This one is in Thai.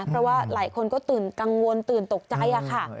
เพราะว่าหลายคนก็ตื่นกังวลตื่นตกใจค่ะ